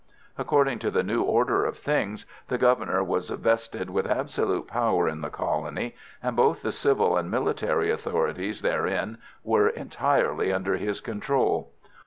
According to the new order of things, the Governor was vested with absolute power in the colony, and both the civil and military authorities therein were entirely under his control.